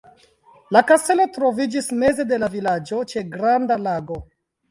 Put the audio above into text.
La kastelo troviĝis meze de la vilaĝo ĉe granda lago.